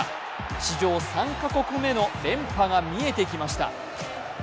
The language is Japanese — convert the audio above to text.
史上３か国目の連覇が見えてきました。